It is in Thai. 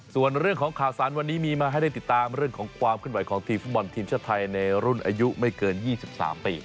ส่วนเรื่องของข่าวสารวันนี้มีมาให้ได้ติดตามเรื่องของความขึ้นไหวของทีมฟุตบอลทีมชาติไทยในรุ่นอายุไม่เกิน๒๓ปี